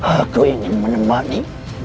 aku ingin menemani